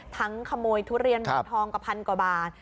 ขโมยทุเรียนหมอนทองกว่าพันกว่าบาท